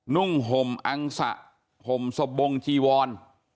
นุ่งห่มอังสะห่มสบงจีวร